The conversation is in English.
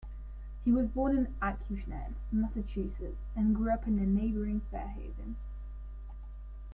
He was born in Acushnet, Massachusetts and grew up in neighboring Fairhaven.